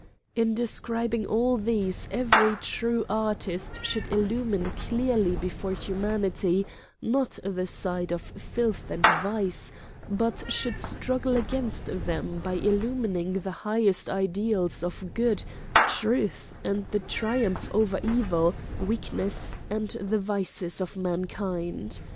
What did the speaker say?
... In describing all these every true artist should illumine clearly be fore humanity not the side of filth and vice, but should struggle against them by illumining the highest ideals of good, truth, and the triumph over evil, weakness, and the vices of mankind.